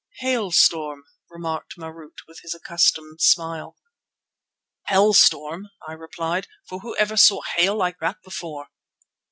"Hailstorm!" remarked Marût with his accustomed smile. "Hell storm!" I replied, "for whoever saw hail like that before?"